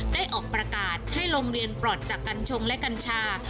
ได้ออกประกาศให้โรงเรียนปลอดจากกัญชงและกัญชา